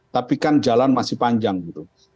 tapi kan jalan masih panjang gitu